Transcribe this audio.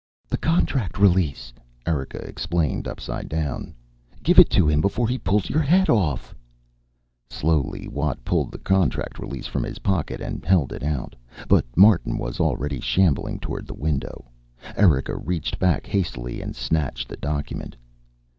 "The contract release," Erika explained, upside down. "Give it to him before he pulls your head off." Slowly Watt pulled the contract release from his pocket and held it out. But Martin was already shambling toward the window. Erika reached back hastily and snatched the document.